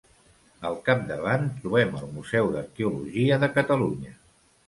Al capdavant trobem el Museu d'Arqueologia de Catalunya.